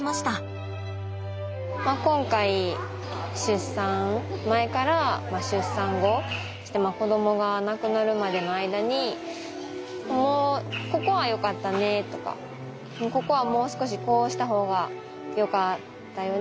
今回出産前から出産後子どもが亡くなるまでの間に「ここはよかったね」とか「ここはもう少しこうした方がよかったよね。